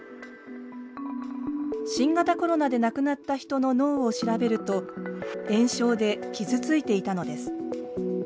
新型コロナで亡くなった人の脳を調べると炎症で傷ついていたのです。